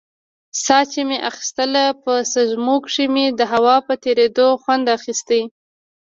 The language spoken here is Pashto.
ساه چې مې اخيستله په سپږمو کښې مې د هوا په تېرېدو خوند اخيست.